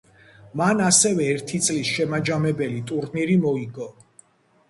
მან ასევე ერთი წლის შემაჯამებელი ტურნირი მოიგო.